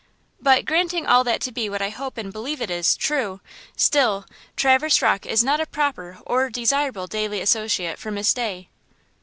"But granting all that to be what I hope and believe it is–true, still, Traverse Rocke is not a proper or desirable daily associate for Miss Day."